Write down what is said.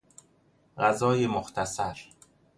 غذای مختصر